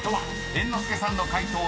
［猿之助さんの解答３８％。